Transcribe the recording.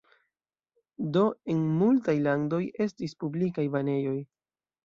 Do en multaj landoj estis publikaj banejoj.